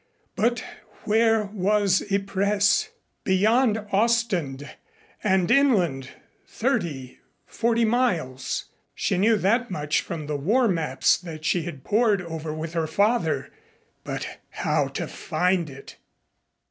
But where was Ypres? Beyond Ostend and inland thirty forty miles. She knew that much from the war maps that she had pored over with her father. But how to find it?